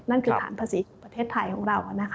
นั่นคือฐานภาษีประเทศไทยของเรา